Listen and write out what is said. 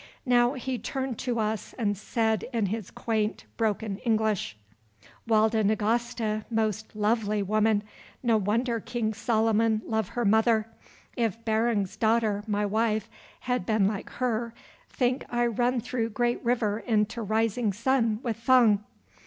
Now he turned to us and said in his quaint broken English: "Walda Nagasta most lovely woman! No wonder King Solomon love her mother. If Barung's daughter, my wife, had been like her, think I run through great river into rising sun with Fung."